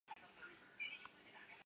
早年电疗法造成的骨折已不复见。